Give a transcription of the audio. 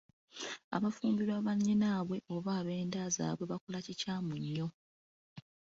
Abafumbirwa bannyinaabwe oba ab’enda zaabwe bakola kikyamu nnyo.